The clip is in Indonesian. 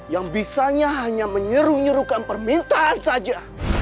yang bisanya hanya menyeru nyerukan permintaan saja